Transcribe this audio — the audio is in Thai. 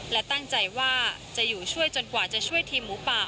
และตั้งใจว่าจะอยู่ช่วยจนกว่าจะช่วยทีมหมูป่า